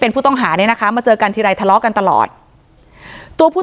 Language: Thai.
ผู้ต้องหาเนี่ยนะคะมาเจอกันทีไรทะเลาะกันตลอดตัวผู้